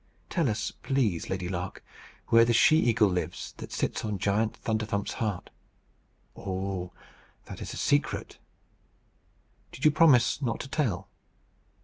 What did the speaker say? "Tell us, please, Lady Lark, where the she eagle lives that sits on Giant Thunderthump's heart." "Oh! that is a secret." "Did you promise not to tell?"